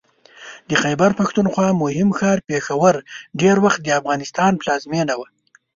د خیبر پښتونخوا مهم ښار پېښور ډېر وخت د افغانستان پلازمېنه وه